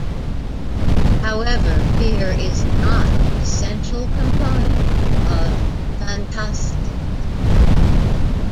However, fear is not an essential component of "fantastique".